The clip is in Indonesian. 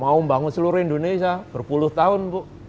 mau membangun seluruh indonesia berpuluh tahun bu